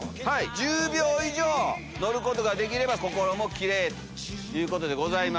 １０秒以上乗ることができれば心もキレイということです。